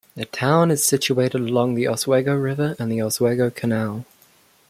The town is situated along the Oswego River and Oswego Canal.